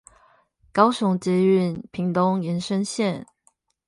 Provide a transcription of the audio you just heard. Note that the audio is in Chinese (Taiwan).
高雄捷運屏東延伸線